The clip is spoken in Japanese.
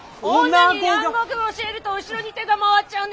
女に蘭学教えると後ろに手が回っちゃうんでしょ？